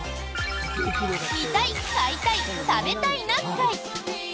「見たい買いたい食べたいな会」。